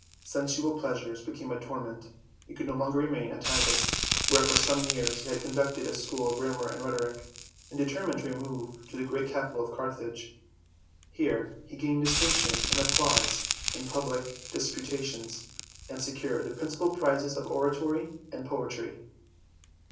Sensual pleasures became a torment. He could no longer remain at Tagaste, where for some years he had conducted a school of grammar and rhetoric, and determined to remove to* the great capital of Carthage. Here he gained distinction and applause in public disputa tions, and secured the principal prizes for oratory and poetry.